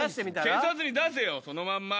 消さずに出せよそのまんま。